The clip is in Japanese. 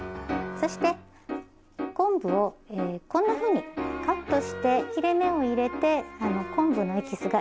そして昆布をこんなふうにカットして切れ目を入れて昆布のエキスが出やすいようにします。